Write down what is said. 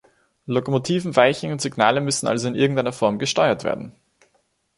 Lokomotiven, Weichen und Signale müssen also in irgendeiner Form gesteuert werden.